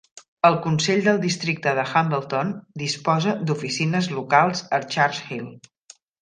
El Consell del Districte de Hambleton disposa d'oficines locals a Church Hill.